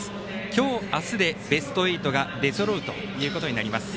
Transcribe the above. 今日、明日で、ベスト８が出そろうということになります。